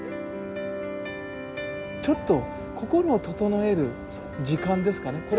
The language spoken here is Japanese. ちょっと心を整える時間ですかね。